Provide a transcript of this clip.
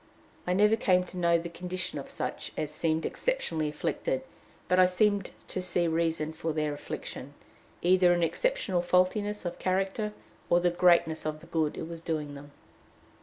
I never came to know the condition of such as seemed exceptionally afflicted but I seemed to see reason for their affliction, either in exceptional faultiness of character or the greatness of the good it was doing them.